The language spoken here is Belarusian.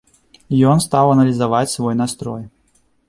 Ён стаў аналізаваць свой настрой.